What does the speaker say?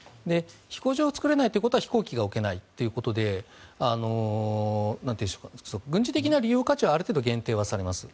飛行場が作れないということは飛行機が置けないということで軍事的な利用価値はある程度限定はされます。